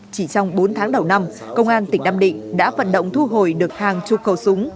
chỉ trong bốn tháng đầu năm công an tỉnh nam định đã vận động thu hồi được hàng chục khẩu súng